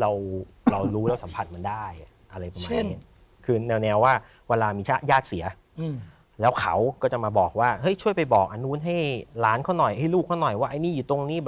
หรืออะไรที่เรารู้สึกว่า